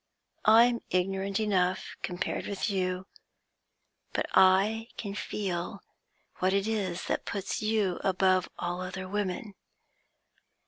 I'm ignorant enough, compared with you, but I can feel what it is that puts you above all other women.